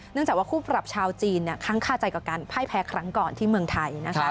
เนื่องจากว่าคู่ปรับชาวจีนค่าใจกับการไพ้แพ้ครั้งก่อนที่เมืองไทย